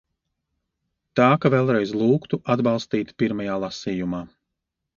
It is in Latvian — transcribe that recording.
Tā ka vēlreiz lūgtu atbalstīt pirmajā lasījumā.